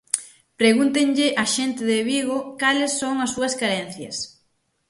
Pregúntenlle á xente de Vigo cales son as súas carencias.